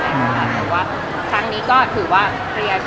แต่ว่าทั้งนี้ก็คือว่าเคลียร์สารจบ